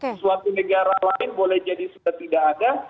di suatu negara lain boleh jadi sudah tidak ada